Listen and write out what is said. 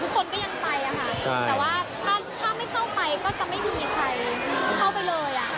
แต่ว่าถ้าไม่เข้าไปก็จะไม่มีใครเข้าไปเลยอะ